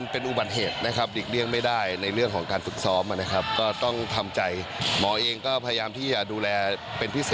เป็นอุบันเหตุอีกเรื่องไม่ได้